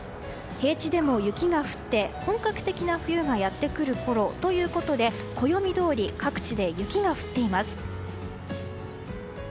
平地でも雪が降って本格的な冬がやってくるころということで暦どおり各地で雪が降っています。